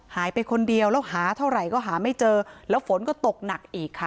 หายไปคนเดียวแล้วหาเท่าไหร่ก็หาไม่เจอแล้วฝนก็ตกหนักอีกค่ะ